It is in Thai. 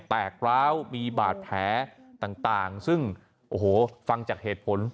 กร้าวมีบาดแผลต่างซึ่งโอ้โหฟังจากเหตุผล